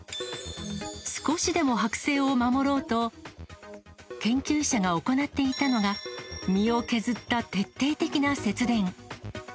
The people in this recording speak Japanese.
少しでも剥製を守ろうと、研究者が行っていたのが、身を削った徹底的な節電。